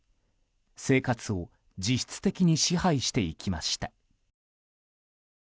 生活を実質的に支配していきました。